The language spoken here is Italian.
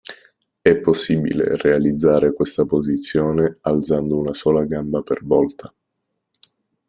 È possibile realizzare questa posizione alzando una sola gamba per volta.